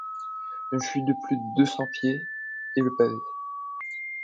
Une chute de plus de deux cents pieds, et le pavé.